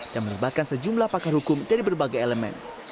dan meribatkan sejumlah pakar hukum dari berbagai elemen